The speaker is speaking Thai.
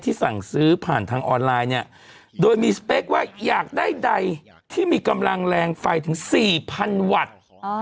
สั่งซื้อผ่านทางออนไลน์เนี่ยโดยมีสเปคว่าอยากได้ใดที่มีกำลังแรงไฟถึง๔๐๐๐วัตต์